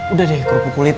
udah deh kerupuk kulit